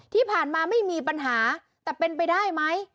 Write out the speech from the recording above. ที่ผ่านมาไม่มีปัญหาแต่เป็นไปได้ไหม